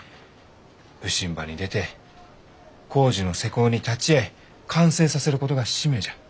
普請場に出て工事の施工に立ち会い完成させることが使命じゃ。